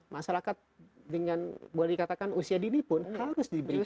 masyarakat dengan boleh dikatakan usia dini pun harus diberikan